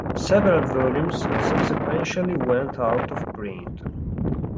Several volumes subsequently went out of print.